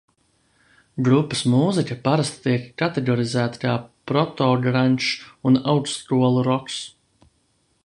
"Grupas mūzika parasti tiek kategorizēta kā "protograndžs" un "augstskolu roks"."